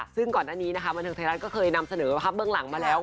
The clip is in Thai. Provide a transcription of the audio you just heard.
ซึ่งก่อนหน้านี้นะคะบันเทิงไทยรัฐก็เคยนำเสนอภาพเบื้องหลังมาแล้ว